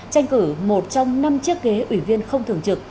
tranh cử một trong năm chiếc ghế ủy viên không thường trực